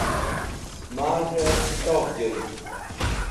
Maz̃hey Kitob Joyd